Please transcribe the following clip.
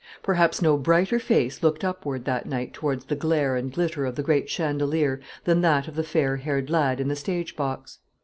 Perhaps no brighter face looked upward that night towards the glare and glitter of the great chandelier than that of the fair haired lad in the stage box.